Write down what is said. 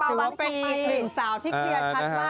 ขอบคุณถูกว่าไปอีก๑สาวที่เคลียร์ชัดมากนะครับ